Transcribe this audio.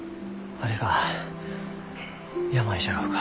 あれが病じゃろうか？